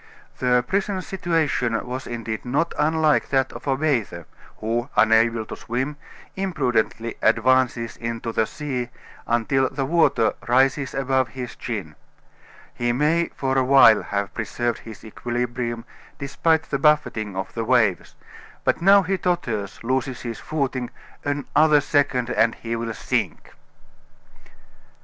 The prisoner's situation was indeed not unlike that of a bather, who, unable to swim, imprudently advances into the sea until the water rises above his chin. He may for a while have preserved his equilibrium, despite the buffeting of the waves, but now he totters, loses his footing another second, and he will sink!